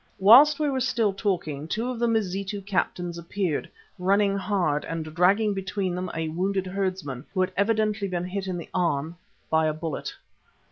Whilst we were still talking two of the Mazitu captains appeared, running hard and dragging between them a wounded herdsman, who had evidently been hit in the arm by a bullet.